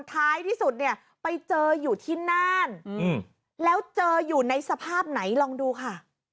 ท้ายที่สุดเนี่ยไปเจออยู่ที่น่านแล้วเจออยู่ในสภาพไหนลองดูค่ะ